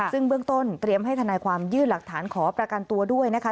ซึ่งเบื้องต้นเตรียมให้ทนายความยื่นหลักฐานขอประกันตัวด้วยนะคะ